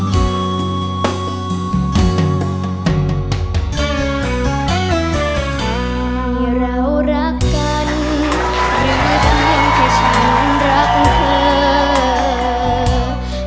เรารักกันหรือมาเพียงแค่ฉันรักเธอ